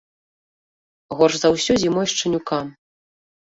Горш за ўсё зімой шчанюкам.